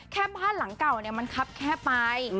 บ้านหลังเก่ามันครับแค่ไป